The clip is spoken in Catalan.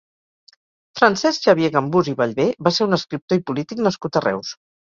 Francesc Xavier Gambús i Ballvé va ser un escriptor i polític nascut a Reus.